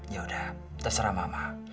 yaudah terserah mama